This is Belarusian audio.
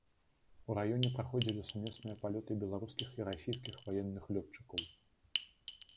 У раёне праходзілі сумесныя палёты беларускіх і расійскіх ваенных лётчыкаў.